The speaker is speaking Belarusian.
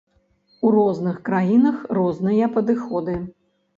У розных краінах розныя падыходы.